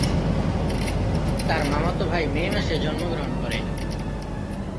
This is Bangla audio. তার মামাতো ভাই মে মাসে জন্মগ্রহণ করে।